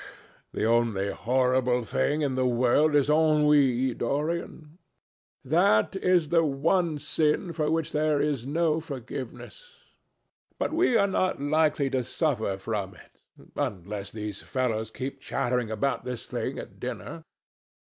"The only horrible thing in the world is ennui, Dorian. That is the one sin for which there is no forgiveness. But we are not likely to suffer from it unless these fellows keep chattering about this thing at dinner.